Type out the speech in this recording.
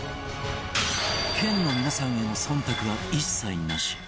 県の皆さんへの忖度は一切なし